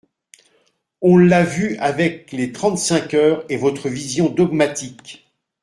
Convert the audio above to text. On l’a vu avec les trente-cinq heures et votre vision dogmatique.